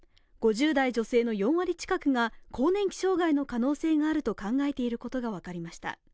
５０代女性の４割近くが更年期障害の可能性があると考えていることが分かりました。